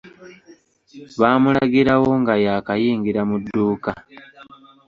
Baamulagirawo nga yaakayingira mu dduuka.